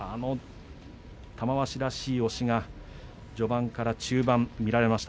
玉鷲らしい押しが序盤から中盤見られました、